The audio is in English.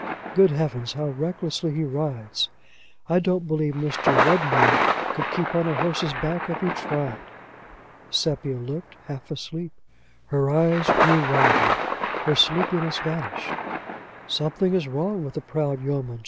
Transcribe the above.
Good Heavens! how recklessly he rides! I don't believe Mr. Redmain could keep on a horse's back if he tried!" Sepia looked, half asleep. Her eyes grew wider. Her sleepiness vanished. "Something is wrong with the proud yeoman!"